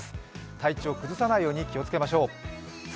体調を崩さないように気をつけましょう。